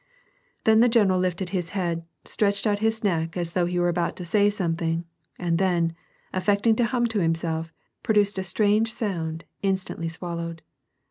Then the general lifted his head, stretched out his neck, as though he were about to say some thing, and then, affecting to hum to himself, produced a strange sound, instantly swallowed.